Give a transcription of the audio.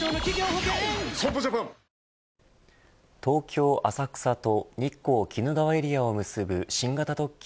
損保ジャパン東京、浅草と日光、鬼怒川エリアを結ぶ新型特急